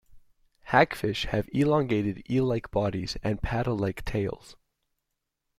Hagfish have elongated, eel-like bodies, and paddle-like tails.